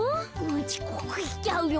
ちこくしちゃうよ。